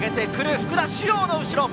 福田師王の後ろ！